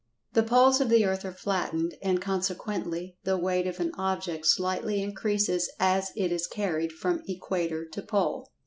The poles of the earth are flattened, and, consequently, the weight of an object slightly increases as it is carried from equator to pole.